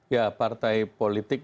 ya partai politik